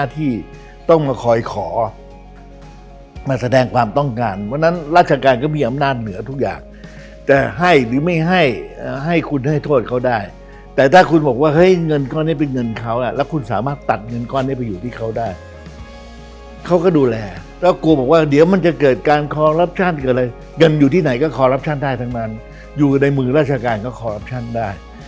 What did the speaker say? ที่ต้องมาคอยขอมาแสดงความต้องการเพราะฉะนั้นราชการก็มีอำนาจเหนือทุกอย่างแต่ให้หรือไม่ให้ให้คุณให้โทษเขาได้แต่ถ้าคุณบอกว่าเฮ้ยเงินก้อนนี้เป็นเงินเขาแล้วคุณสามารถตัดเงินก้อนนี้ไปอยู่ที่เขาได้เขาก็ดูแลแล้วกลัวบอกว่าเดี๋ยวมันจะเกิดการคอรับชั่นเกิดอะไรเงินอยู่ที่ไหนก็คอรัปชั่นได้ทั้งนั้นอยู่ในมือราชการก็คอรัปชั่นได้